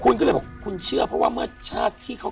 คุณก็เลยบอกคุณเชื่อเพราะว่าเมื่อชาติที่เขา